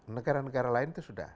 negara negara lain itu sudah